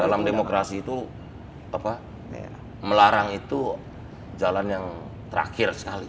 dalam demokrasi itu melarang itu jalan yang terakhir sekali